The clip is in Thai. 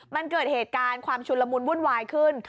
มันเกิดเหตุการณ์ความชุนละมุนวุ่นวายขึ้น